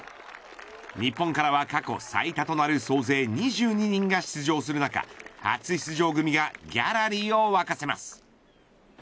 日本からは過去最多となる総勢２２人が出場する中初出場組がギャラリーを沸かせます。